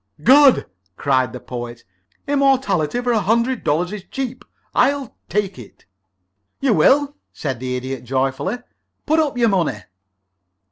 "Good!" cried the Poet. "Immortality for a hundred dollars is cheap. I'll take that." "You will?" said the Idiot, joyfully. "Put up your money."